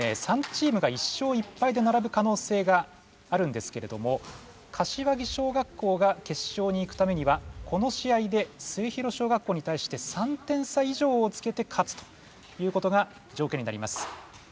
３チームが１勝１ぱいでならぶかのうせいがあるんですけれども柏木小学校が決勝にいくためにはこの試合で末広小学校に対して３点差以上をつけて勝つということがじょうけんになります。